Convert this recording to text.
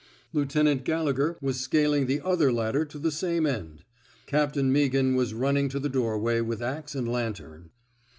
Lieutenant Gallegher was scaling , the other ladder to the same end. Captain Meaghan was running to the doorway with axe and lantern.